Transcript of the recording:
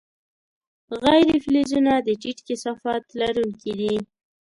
غیر فلزونه د ټیټ کثافت لرونکي دي.